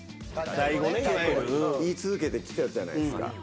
言い続けてきたじゃないっすか。